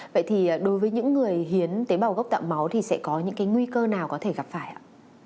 vậy thì đối với những người hiến tế bào gốc tạo máu thì sẽ có những cái nguy cơ nào có thể gặp phải ạ